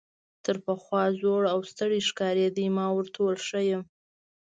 تر پخوا زوړ او ستړی ښکارېده، ما ورته وویل ښه یم.